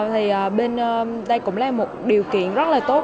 thì bên đây cũng là một điều kiện rất là tốt